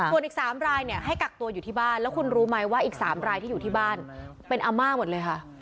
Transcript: ส่วนอีก๓รายเนี่ยให้กักตัวอยู่ที่บ้านแล้วคุณรู้ไหมว่าอีก๓รายที่อยู่ที่บ้านเป็นอาม่าหมดเลยค่ะ